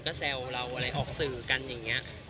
ก็แซวเราอะไรออกสื่อกันอย่างนี้